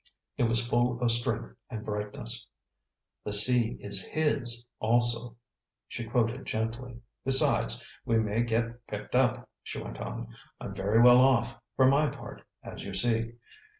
It was full of strength and brightness. "'The sea is His also,'" she quoted gently. "Besides, we may get picked up," she went on. "I'm very well off, for my part, as you see.